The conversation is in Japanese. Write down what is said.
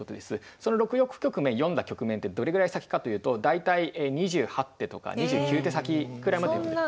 その６億局面読んだ局面ってどれぐらい先かというと大体２８手とか２９手先ぐらいまで読んでると。